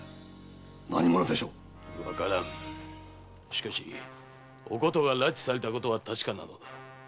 しかしお琴が拉致されたことは確かなのだ。